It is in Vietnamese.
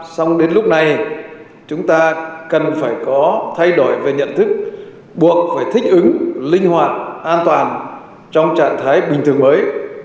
xong đến lúc này chúng ta cần phải có thay đổi về nhận thức buộc phải thích ứng linh hoạt an toàn trong trạng thái bình thường mới